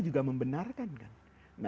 juga membenarkan kan